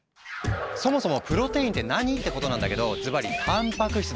そもそもプロテインって何？ってことなんだけどずばりたんぱく質のこと。